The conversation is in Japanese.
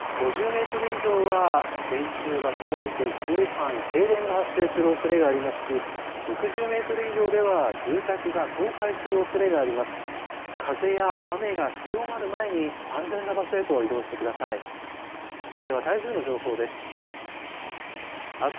５０メートル以上は電柱が倒れて広い範囲で停電が発生するおそれありますし６０メートル以上では住宅が倒壊するおそれがあります。